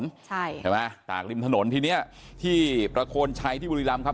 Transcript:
ใช่ไหมตากริมถนนทีเนี้ยที่ประโคนชัยที่บุรีรำครับ